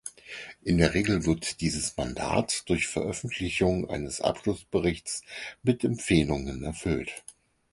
In der Regel wird dieses Mandat durch Veröffentlichung eines Abschlussberichts mit Empfehlungen erfüllt.